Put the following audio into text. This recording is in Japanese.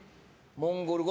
モンゴル語は。